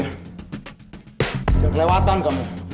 jangan kelewatan kamu